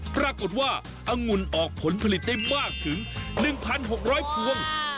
ปรากฏว่าอังุ่นออกผลผลิตได้มากถึง๑๖๐๐พวง